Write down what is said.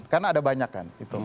karena ada banyak kan